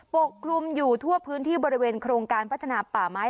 ปกคลุมอยู่ทั่วพื้นที่บริเวณโครงการพัฒนาป่าไม้